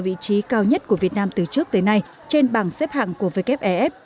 vị trí cao nhất của việt nam từ trước tới nay trên bảng xếp hạng của wf